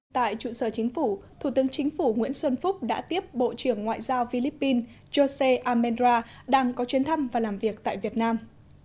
tại trụ sở chính phủ thủ tướng chính phủ nguyễn xuân phúc đã tiếp bộ trưởng ngoại giao philippines jose amenra đang có chuyến thăm và làm việc tại việt nam